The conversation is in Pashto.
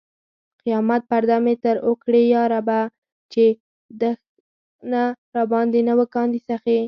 قیامت پرده مې ته اوکړې یا ربه! چې دښنه راباندې نه و کاندي سخې